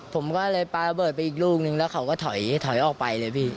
ผมก็เลยปลาระเบิดไปอีกลูกนึงแล้วเขาก็ถอยออกไปเลยพี่